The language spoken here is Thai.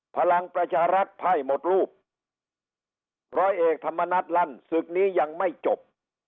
พลังประชารัฐไพ่หมดรูปร้อยเอกธรรมนัฏลั่นศึกนี้ยังไม่จบ